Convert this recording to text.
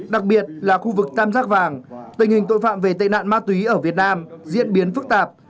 đặc biệt là khu vực tam giác vàng tình hình tội phạm về tệ nạn ma túy ở việt nam diễn biến phức tạp